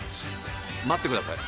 待ってください。